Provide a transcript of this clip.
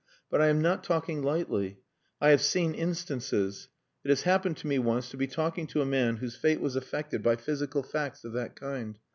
But I am not talking lightly. I have seen instances. It has happened to me once to be talking to a man whose fate was affected by physical facts of that kind.